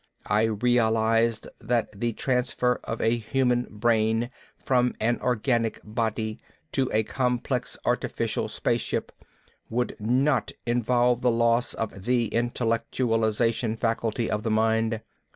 I realized that the transfer of a human brain from an organic body to a complex artificial space ship would not involve the loss of the intellectualization faculty of the mind.